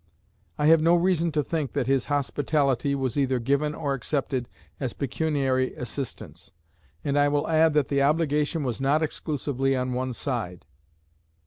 I have no reason to think that his hospitality was either given or accepted as pecuniary assistance, and I will add that the obligation was not exclusively on one side.